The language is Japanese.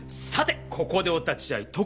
さてここでお立ち会い！